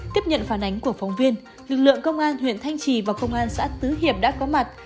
tiếp nhận phản ánh của phóng viên lực lượng công an huyện thanh trì và công an xã tứ hiệp đã có mặt